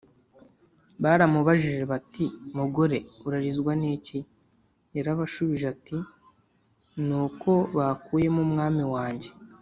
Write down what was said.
baramubajije bati “mugore, urarizwa n’iki?” yarabashubije ati, “ni uko bakuyemo umwami wanjye,